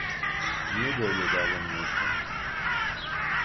Niye böyle davranıyorsun?